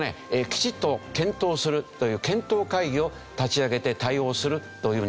きちっと検討するという検討会議を立ち上げて対応するというふうに言ってます。